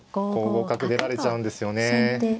５五角出られちゃうんですよね。